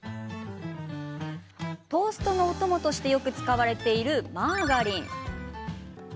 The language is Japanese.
トーストのお供としてよく使われているマーガリン。